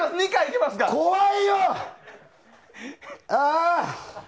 ああ。